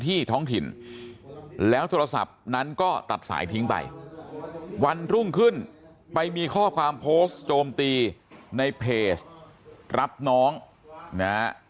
ทิ้งไปวันรุ่งขึ้นไปมีข้อความโพสต์โจมตีในเพจรับน้องนะ